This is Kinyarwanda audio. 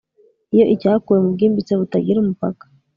Iyo icyakuwe mubwimbitse butagira umupaka